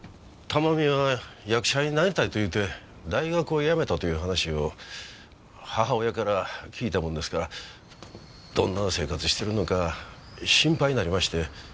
珠美が役者になりたいと言うて大学を辞めたという話を母親から聞いたもんですからどんな生活してるのか心配になりまして。